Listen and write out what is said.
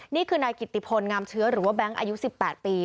นี่คือนายกิติพลงามเชื้อหรือว่าแบงค์อายุ๑๘ปี